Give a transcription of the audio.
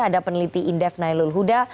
ada peneliti indef nailulu